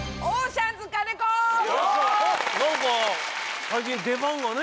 なんか最近出番がね。